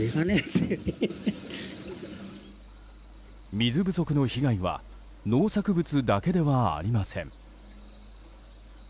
水不足の被害は農作物だけではありません。